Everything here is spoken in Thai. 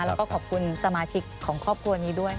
แล้วก็ขอบคุณสมาชิกของครอบครัวนี้ด้วย